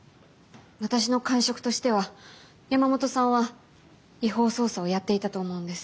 私の感触としては山本さんは違法捜査をやっていたと思うんです。